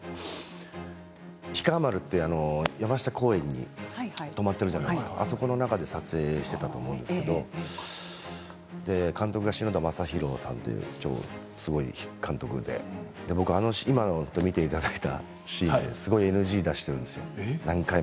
氷川丸という、山下公園に止まっているじゃないですかあそこの中で撮影したと思うんですけど監督が篠田正浩さんという超すごい監督で僕はあのシーンで何回もすごいＮＧを出してるんですよ。